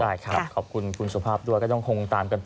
ใช่ครับขอบคุณคุณสุภาพด้วยก็ต้องคงตามกันต่อ